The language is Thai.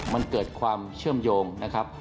มันเกิดความเชื่อมโยงนะครับ